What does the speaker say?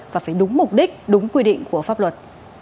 và phải đúng mục đích đúng quy định của pháp luật